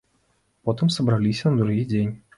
Потым сабраліся на другі дзень.